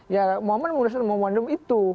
ya momen munas itu momen umum itu